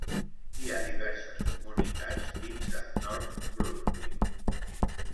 Hi ha diverses comunitats dins de North Brunswick.